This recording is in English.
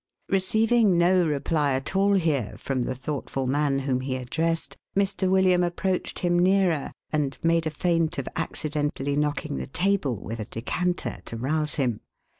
" Receiving no reply at all here, from the thoughtful man whom he addressed, Mr. William approached him nearer, and made a feint of accidentally knocking the table with a decanter, to rouse him.